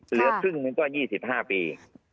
เหลือครึ่งหนึ่งก็๒๕ปี